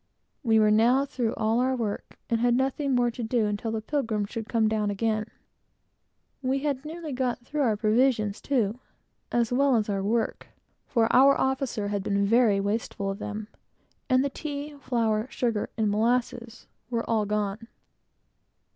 We were now through all our work, and had nothing more to do until the Pilgrim should come down again. We had nearly got through our provisions too, as well as our work; for our officer had been very wasteful of them, and the tea, flour, sugar, and molasses, were all gone.